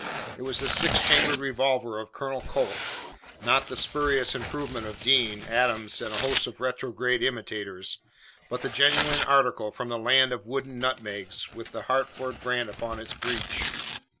It was the six chambered revolver of Colonel Colt not the spurious improvement of Deane, Adams, and a host of retrograde imitators but the genuine article from the "land of wooden nutmegs," with the Hartford brand upon its breech.